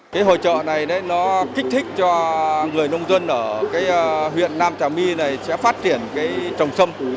cái hội trợ này nó kích thích cho người nông dân ở huyện nam tràng my này sẽ phát triển trồng sâm